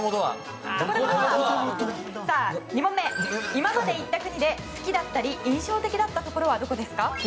今まで行った国で好きだったり印象的だったところはどこですか？